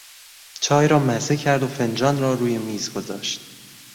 چای را مزه کرد و فنجان را روی میز گذاشت.